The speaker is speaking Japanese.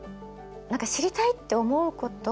何か知りたいって思うこと。